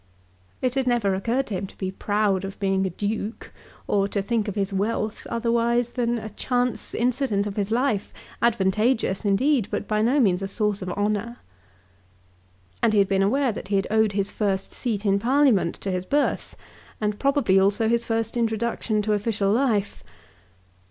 It had never occurred to him to be proud of being a duke, or to think of his wealth otherwise than a chance incident of his life, advantageous indeed, but by no means a source of honour. And he had been aware that he had owed his first seat in Parliament to his birth, and probably also his first introduction to official life.